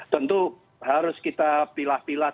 tentu harus kita pilih pilih